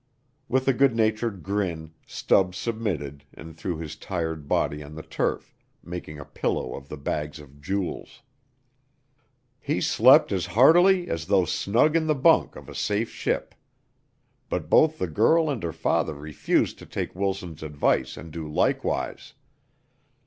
With a good natured grin Stubbs submitted and threw his tired body on the turf, making a pillow of the bags of jewels. He slept as heartily as though snug in the bunk of a safe ship. But both the girl and her father refused to take Wilson's advice and do likewise.